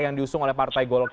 yang diusung oleh partai golkar